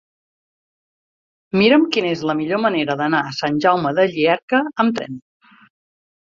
Mira'm quina és la millor manera d'anar a Sant Jaume de Llierca amb tren.